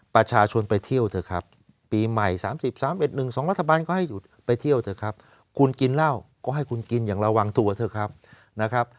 ประชาชนไปเที่ยวเถอะครับปีใหม่๓๐๓๑๑๒รัฐบาลก็ให้หยุดไปเที่ยวเถอะครับคุณกินเหล้าก็ให้คุณกินอย่างระวังตัวเถอะครับนะครับ